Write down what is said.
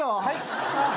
はい？